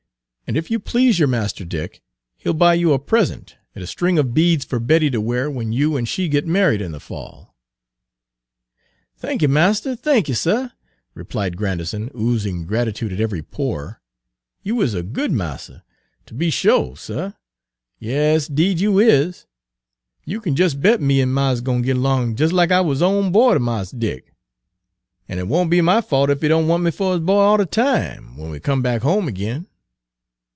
And if you please your master Dick, he 'll buy you a present, and a string of beads for Betty to wear when you and she get married in the fall." Page 182 "Thanky, marster, thanky, suh," replied Grandison, oozing gratitude at every pore; "you is a good marster, to be sho', suh; yas, 'deed you is. You kin jes' bet me and Mars Dick gwine git 'long jes' lack I wuz own boy ter Mars Dick. En it won't be my fault ef he don' want me fer his boy all de time, w'en we come back home ag'in."